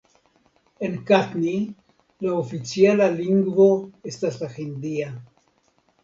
En Katni la oficiala lingvo estas la hindia.